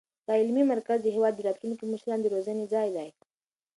دا علمي مرکز د هېواد د راتلونکو مشرانو د روزنې ځای دی.